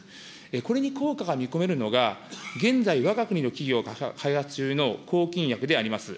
これに効果が見込めるのが、現在、わが国の企業が開発中の抗菌薬であります。